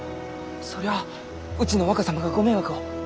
そりゃあうちの若様がご迷惑を。